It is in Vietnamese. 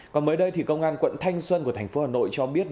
còn mới đây thì công an quận thanh xuân của thành phố hà nội cho biết